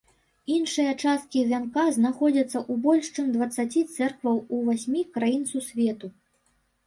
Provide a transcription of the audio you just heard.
Іншыя часткі вянка знаходзяцца ў больш чым дваццаці цэркваў у васьмі краін сусвету.